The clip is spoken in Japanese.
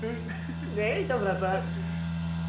ねえ糸村さん。